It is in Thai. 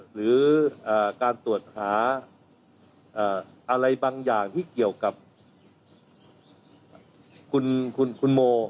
หรือการตรวจหาอะไรบางอย่างที่เกี่ยวกับคุณโม